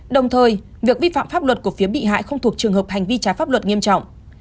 đồng thời việc vi phạm pháp luật của phía bị hại không thuộc trường hợp hành vi trái pháp luật nghiêm trọng